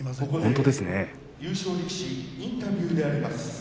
ここで優勝力士インタビューであります。